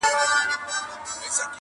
شیخ لا هم وو په خدمت کي د لوی پیر وو-